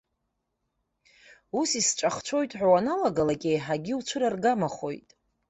Ус исҵәахцәоит ҳәа уаналагалак, еиҳагьы иуцәыраргамахоит.